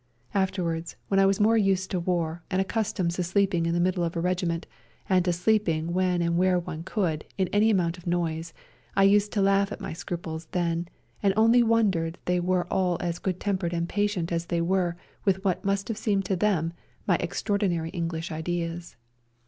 Afterwards, when I was more used to war, and accustomed to sleeping in the middle of a regiment, and to sleeping when and where one could, in any amount of noise, I used to laugh at my scruples then, and only wondered they were all as good tempered and patient as they were with what must have seemed to them my extraordinary English ideas.